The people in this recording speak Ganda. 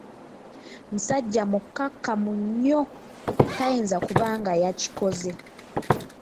Musajja mukakkamu nnyo, tayinza kuba nga yakikoze.